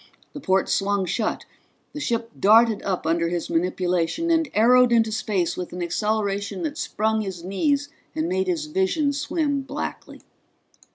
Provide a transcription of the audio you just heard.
The ports swung shut. The ship darted up under his manipulation and arrowed into space with an acceleration that sprung his knees and made his vision swim blackly.